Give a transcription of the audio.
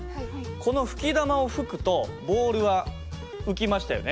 この吹き玉を吹くとボールは浮きましたよね。